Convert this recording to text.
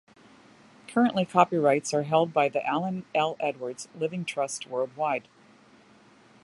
Currently copyrights are held by The Allen L Edwards Living Trust worldwide.